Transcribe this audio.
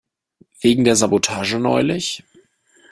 Wegen der Sabotage neulich?